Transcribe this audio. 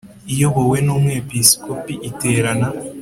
iyobowe n Umwepiskopi Iterana